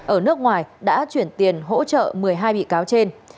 ở nước ngoài đã chuyển tiền hỗ trợ một mươi hai bị cáo trên